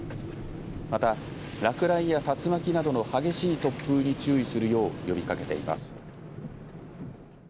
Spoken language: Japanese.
また、落雷や竜巻などの激しい突風に注意するよう呼びかけています。